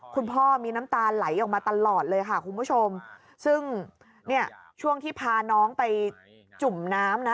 คุณพ่อมีน้ำตาไหลออกมาตลอดเลยค่ะคุณผู้ชมซึ่งเนี่ยช่วงที่พาน้องไปจุ่มน้ำนะ